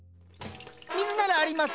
水ならあります。